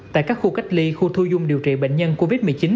tại các khu cách ly khu thu dung điều trị bệnh nhân covid một mươi chín